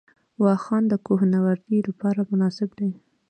واخان د کوه نوردۍ لپاره مناسب دی